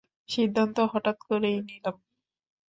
সিদ্ধান্ত হঠাৎ করেই নিলাম।